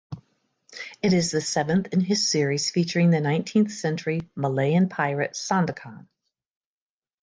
It is the seventh in his series featuring the nineteenth century Malayan pirate Sandokan.